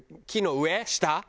「木の上？